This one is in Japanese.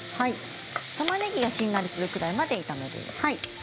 たまねぎはしんなりするくらいまで炒めるんですね。